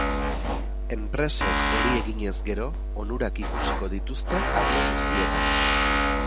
Enpresek hori eginez gero, onurak ikusiko dituzte arlo guztietan.